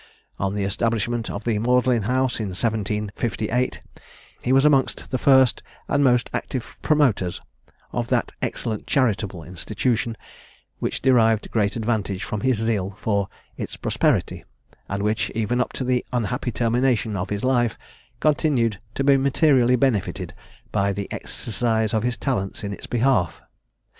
On the establishment of the Magdalen House in 1758, he was amongst the first and most active promoters of that excellent charitable institution, which derived great advantage from his zeal for its prosperity, and which, even up to the unhappy termination of his life, continued to be materially benefited by the exercise of his talents in its behalf.